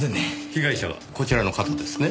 被害者はこちらの方ですね？